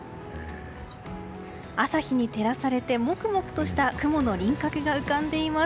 朝日に照らされてもくもくとした雲の輪郭が浮かんでいます。